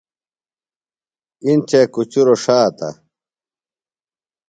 اِنڇے کُچروۡ ݜاتہ ۔